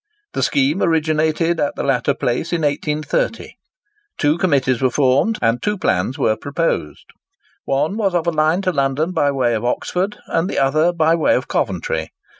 The scheme originated at the latter place in 1830. Two committees were formed, and two plans were proposed. One was of a line to London by way of Oxford, and the other by way of Coventry.